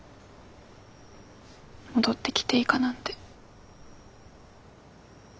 戻ってきていいかなんて。